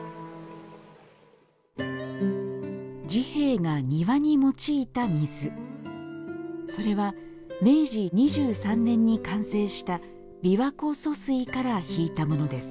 治兵衛が庭に用いた水それは、明治２３年に完成した琵琶湖疏水から引いたものです。